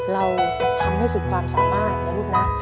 เราทำให้สุดความสามารถนะลูกนะ